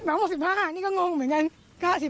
น้องบอก๑๕ค่ะนี่ก็งงเหมือนกัน